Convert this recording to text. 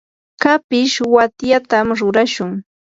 kapish watyatam rurashun.